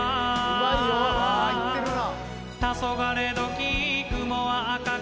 うわいってるな。